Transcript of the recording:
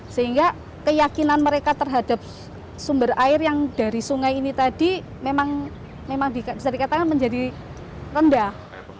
sehingga keyakinan mereka terhadap sumber air yang dari sungai ini tadi memang bisa dikatakan menjadi rendah